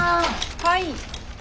はい！